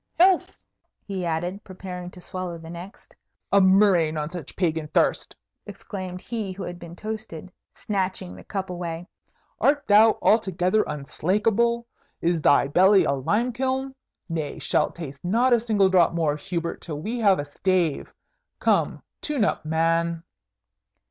"Health!" he added, preparing to swallow the next. "A murrain on such pagan thirst!" exclaimed he who had been toasted, snatching the cup away. "Art thou altogether unslakable? Is thy belly a lime kiln? Nay, shalt taste not a single drop more, Hubert, till we have a stave. Come, tune up, man!"